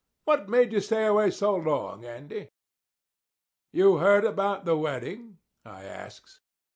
What made you stay away so long, Andy?" "You heard about the wedding?" I asks.